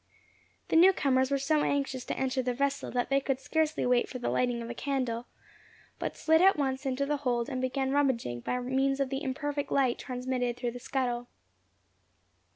The new comers were so anxious to enter the vessel that they could scarcely wait for the lighting of a candle, but slid at once into the hold, and began rummaging by means of the imperfect light transmitted through the scuttle.